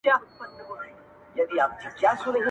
هله بهیاره بیا له دې باغه مېوې وباسو,